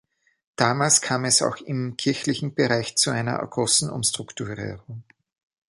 Damals kam es auch im kirchlichen Bereich zu einer großen Umstrukturierung.